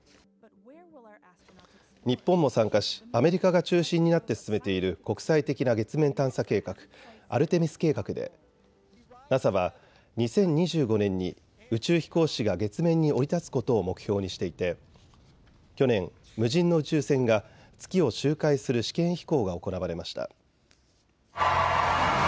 日本も参加しアメリカが中心になって進めている国際的な月面探査計画、アルテミス計画でＮＡＳＡは２０２５年に宇宙飛行士が月面に降り立つことを目標にしていて去年、無人の宇宙船が月を周回する試験飛行が行われました。